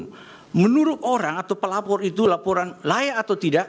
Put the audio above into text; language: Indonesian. kalau menurut orang atau pelapor itu laporan layak atau tidak